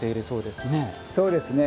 そうですね。